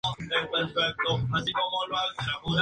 Esta vez participaron ocho equipos.